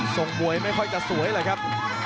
ส่งมวยไม่ค่อยจะสวยเลยครับ